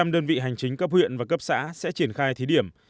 một trăm linh đơn vị hành chính cấp huyện và cấp xã sẽ triển khai thí điểm